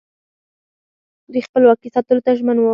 دوی خپلواکي ساتلو ته ژمن وو